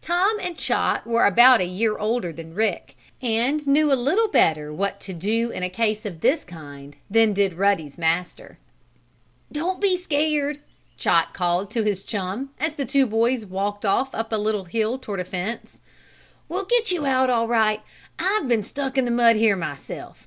Tom and Chot were about a year older than Rick, and knew a little better what to do in a case of this kind than did Ruddy's master. "Don't be scared," Chot called to his chum, as the two boys walked off up a little hill toward a fence. "We'll get you out all right. I've been stuck in the mud here myself.